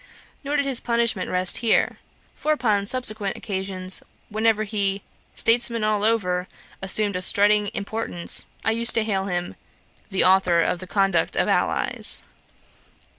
Nor did his punishment rest here; for upon subsequent occasions, whenever he, 'statesman all over,' assumed a strutting importance, I used to hail him 'the Authour of The Conduct of the Allies.'